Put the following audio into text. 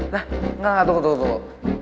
lah enggak enggak tunggu tunggu tunggu